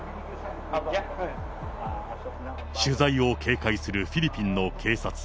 取材を警戒するフィリピンの警察。